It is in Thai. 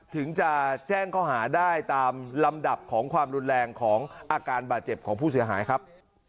ถึงจะแจ้งข้อหาได้ตามลำดับของความรุนแรงของอาการบาดเจ็บของผู้เสียหายครับ